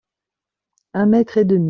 Un mètre et demi.